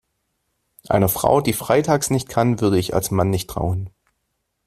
Einer Frau, die Freitags nicht kann, würde ich als Mann nicht trauen.